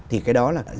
thì cái đó là